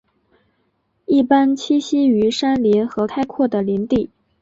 一般栖息于山林和开阔的林地。